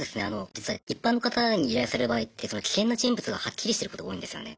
実は一般の方に依頼される場合って危険な人物がはっきりしてることが多いんですよね。